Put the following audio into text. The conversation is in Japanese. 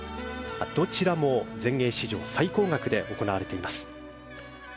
どちらも全英史上最高額で行われています。